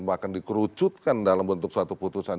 bahkan dikerucutkan dalam bentuk suatu putusan